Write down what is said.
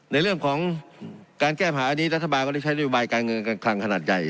ในเรื่องของการแก้ผ่าอันนี้รัฐบาลก็ได้ใช้นโยบายการเงินการคลังขนาดใหญ่